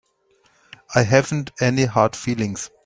I haven't any hard feelings.